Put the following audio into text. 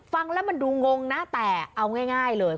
ฟังแล้วมันดูงงนะแต่เอาง่ายเลย